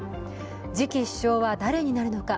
次期首相は誰になるのか。